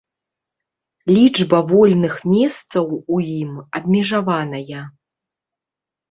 Лічба вольных месцаў у ім абмежаваная.